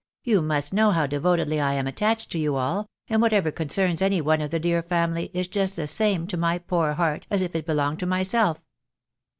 You must know how devotedly I am attached to you all, and whatever con cerns any one of the dear family, is just the same to my poor heart, as if it belonged to myself."